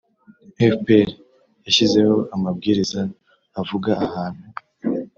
fpr yashyizeho amabwiriza avuga ahantu